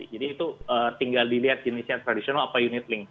jadi itu tinggal dilihat jenisnya tradisional atau unit link